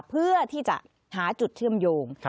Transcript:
เพื่อที่จะหาจุดเชื่อมโยง